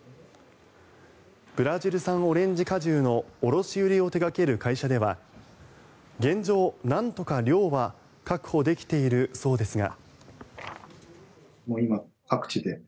ブラジル産オレンジ果汁の卸売りを手掛ける会社では現状、なんとか量は確保できているそうですが。